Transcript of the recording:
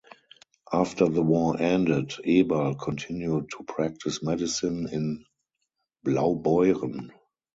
After the war ended, Eberl continued to practise medicine in Blaubeuren.